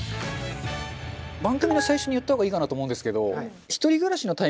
番組の最初に言った方がいいかなと思うんですけど正直中丸さん？